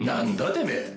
てめえ！